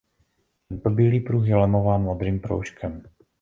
Tento bílý pruh je lemován modrým proužkem.